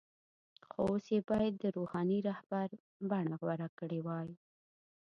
خو اوس یې باید د “روحاني رهبر” بڼه غوره کړې وای.